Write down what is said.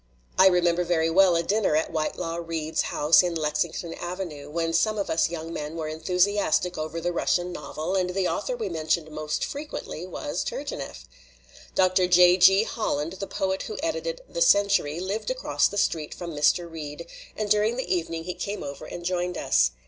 "I remember very well a dinner at Whitelaw Reid's house in Lexington Avenue, when some of us young men were enthusiastic over the Russian novel, and the author we mentioned most fre quently was Turgenieff. "Dr. J. G. Holland, the poet who edited The Century, lived across the street from Mr. Reid, and during the evening he came over and joined us.